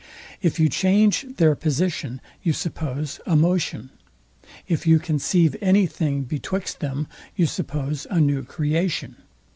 If you change their position, you suppose a motion. If you conceive any thing betwixt them, you suppose a new creation.